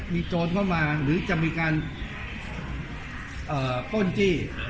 มีโจรเข้ามาหรือจะมีการปล้นจี้